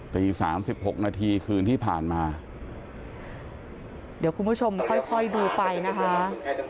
ตีสามสิบหกนาทีคืนที่ผ่านมาเดี๋ยวคุณผู้ชมค่อยค่อยดูไปนะคะ